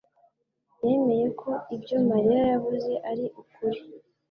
yemeye ko ibyo Mariya yavuze ari ukuri.